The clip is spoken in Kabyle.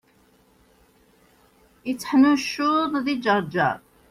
Yetteḥnuccuḍ di Ǧerǧer.